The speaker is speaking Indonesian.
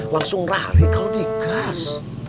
langsung lari kalau digas